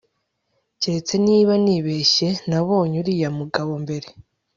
Keretse niba nibeshye nabonye uriya mugabo mbere